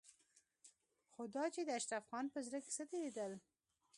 خو دا چې د اشرف خان په زړه کې څه تېرېدل.